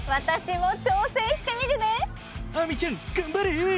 亜美ちゃん頑張れ！